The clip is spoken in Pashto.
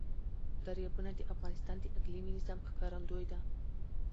دریابونه د افغانستان د اقلیمي نظام ښکارندوی ده.